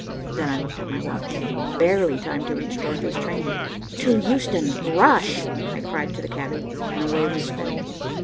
Then I looked at my watch. Barely time to reach Dorothy's train. "To Euston. Rush!" I cried to the cabby, and away we sped.